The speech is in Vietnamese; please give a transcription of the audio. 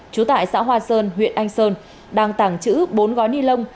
chín mươi năm trú tại xã hoa sơn huyện anh sơn đăng tảng chữ bốn gói ni lông